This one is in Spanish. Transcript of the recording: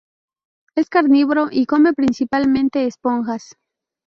Es carnívoro y come principalmente esponjas.